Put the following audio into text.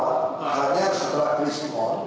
pertama hanya setelah pismo